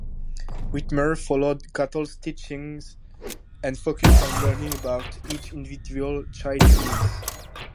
Witmer followed Cattell's teachings and focused on learning about each individual child's needs.